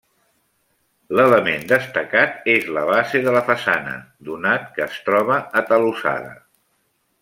L'element destacat és la base de la façana, donat que es troba atalussada.